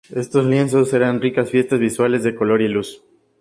Estos lienzos eran ricas fiestas visuales de color y luz.